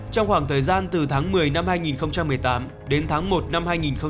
trong khoảng thời gian từ tháng một mươi năm hai nghìn một mươi tám đến tháng một năm hai nghìn một mươi chín